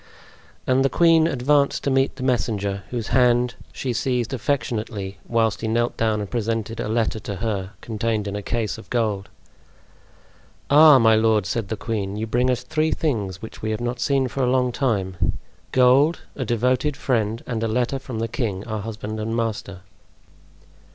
And the queen advanced to meet the messenger, whose hand she seized affectionately, whilst he knelt down and presented a letter to her, contained in a case of gold. "Ah! my lord!" said the queen, "you bring us three things which we have not seen for a long time. Gold, a devoted friend, and a letter from the king, our husband and master."